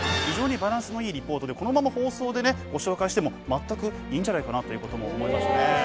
ひじょうにバランスのいいリポートでこのまま放送でねご紹介してもまったくいいんじゃないかなということも思いましたね。